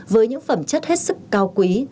với những phẩm chất hết sức cao quý